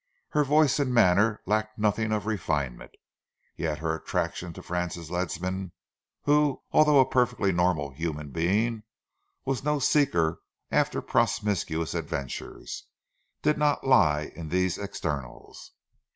Her voice and manner lacked nothing of refinement. Yet her attraction to Francis Ledsam, who, although a perfectly normal human being, was no seeker after promiscuous adventures, did not lie in these externals.